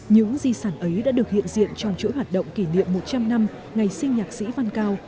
những di sản ấy đã được hiện diện trong chuỗi hoạt động kỷ niệm một trăm linh năm ngày sinh nhạc sĩ văn cao